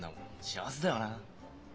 幸せだよな。